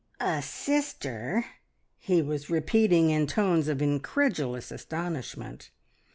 "...A sister!" he was repeating in tones of incredulous astonishment.